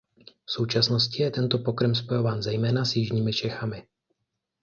V současnosti je tento pokrm spojován zejména s jižními Čechami.